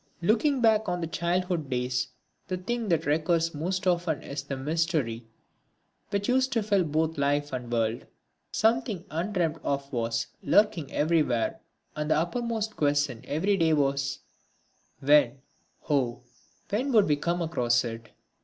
Looking back on childhood's days the thing that recurs most often is the mystery which used to fill both life and world. Something undreamt of was lurking everywhere and the uppermost question every day was: when, Oh! when would we come across it?